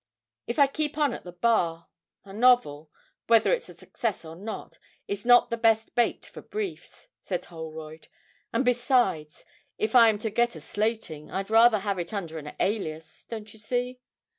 'If I keep on at the Bar, a novel, whether it's a success or not, is not the best bait for briefs,' said Holroyd; 'and besides, if I am to get a slating, I'd rather have it under an alias, don't you see?